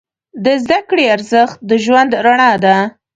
د زده کړې ارزښت د ژوند رڼا ده.